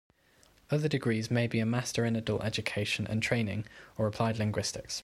Other degrees may be a Master in Adult Education and Training or Applied Linguistics.